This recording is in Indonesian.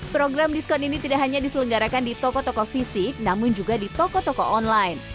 program diskon ini tidak hanya diselenggarakan di toko toko fisik namun juga di toko toko online